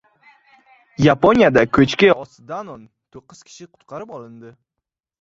Yaponiyada ko‘chki ostidano'n to'qqizkishi qutqarib olindi